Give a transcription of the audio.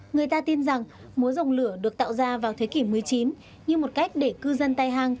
người ta tin rằng múa dòng lửa được tạo ra vào thế kỷ một mươi chín như một cách để cư dân tây hàng